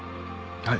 はい。